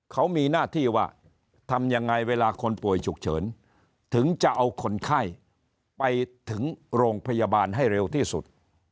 เขามีหน้าที่ว่าทำยังไงเวลาคนป่วยฉุกเฉินถึงจะเอาคนไข้ไปถึงโรงพยาบาลให้เร็วที่สุด